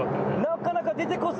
なかなか出てこず。